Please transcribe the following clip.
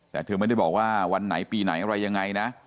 แต่เธอไม่ได้บอกว่าวันไหนปีไหนอะไรยังไงนะ